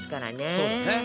そうだね。